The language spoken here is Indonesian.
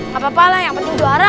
gapapa lah yang penting juara